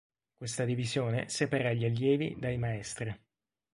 Questa divisione separa gli allievi dai maestri.